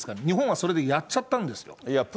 日本はそれでやっちゃったんですよ。